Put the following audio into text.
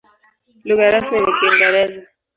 Lugha rasmi ni Kiingereza.